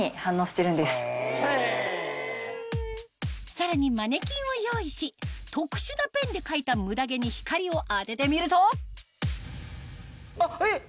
さらにマネキンを用意し特殊なペンで描いたムダ毛に光を当ててみるとえっ！